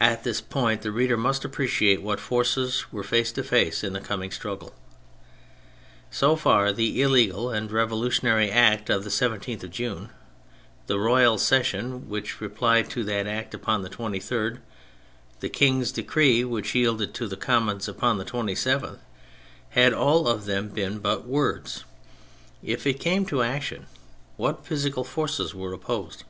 At this point the reader must appreciate what forces were face to face in the coming struggle. So far, the illegal and revolutionary act of the 17th of June, the Royal Session which replied to that act upon the 23rd, the King's decree which yielded to the Commons upon the 27th, had all of them been but words. If it came to action, what physical forces were opposed